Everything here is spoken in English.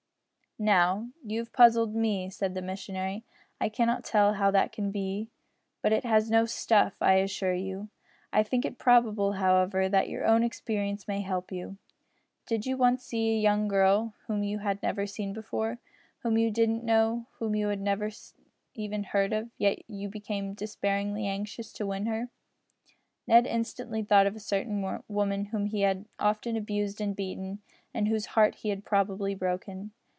"Now, you have puzzled me," said the missionary. "I cannot tell how that can be, but it is no `stuff' I assure you. I think it probable, however, that your own experience may help you. Didn't you once see a young girl whom you had never seen before, whom you didn't know, whom you had never even heard of, yet you became desperately anxious to win her?" Ned instantly thought of a certain woman whom he had often abused and beaten, and whose heart he had probably broken.